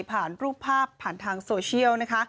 ผ่านรูปภาพผ่านทางโซเชียล